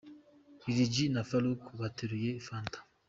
Lil G na farouk bateruye fanta.